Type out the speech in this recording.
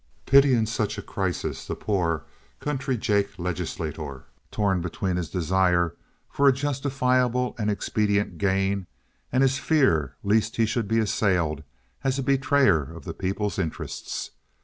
Pity in such a crisis the poor country jake legislator torn between his desire for a justifiable and expedient gain and his fear lest he should be assailed as a betrayer of the people's interests.